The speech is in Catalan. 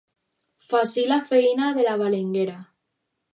Faci la feina de la balenguera.